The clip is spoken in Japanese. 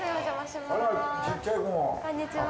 こんにちは。